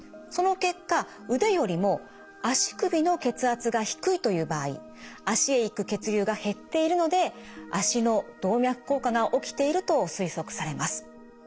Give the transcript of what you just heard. その結果腕よりも足首の血圧が低いという場合脚へ行く血流が減っているので脚の動脈硬化が起きていると推測されます。